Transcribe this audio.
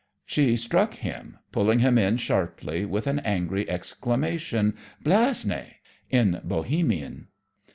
She struck him, pulling him in sharply, with an angry exclamation, "Blázne!" in Bohemian.